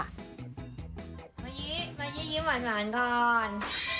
นั่นยิ้มหว่างหวานก่อน